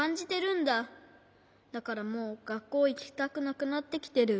だからもうがっこういきたくなくなってきてる。